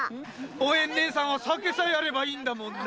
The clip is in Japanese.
おえんさんは酒さえあればいいんだもんな。